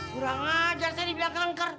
kurang ajar saya dibilang lengker